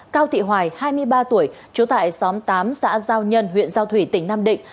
cao thị hoài hai mươi ba tuổi trú tại xóm tám xã giao nhân huyện giao thủy tỉnh nam định